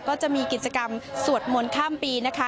ก็จะมีกิจกรรมสวดมนต์ข้ามปีนะคะ